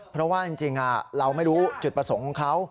เพราะว่าจริงเราไม่รู้จุดประสงค์ของเขา